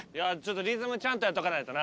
リズムちゃんとやっとかないとな。